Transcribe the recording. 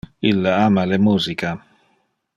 Ille ama le musica.